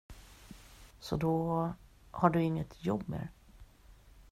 Så då har du inget jobb mer.